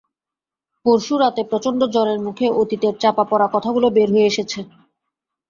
পরশু রাতে প্রচণ্ড জ্বরের মুখে অতীতের চাপা-পড়া কথাগুলো বের হয়ে এসেছে।